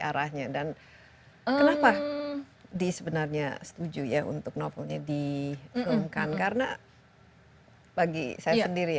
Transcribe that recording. arahnya dan kenapa di sebenarnya setuju ya untuk novelnya diumumkan karena bagi saya sendiri